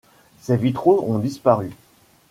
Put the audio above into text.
Ces vitraux ont disparu.